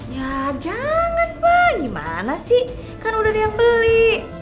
ya jangan wah gimana sih kan udah ada yang beli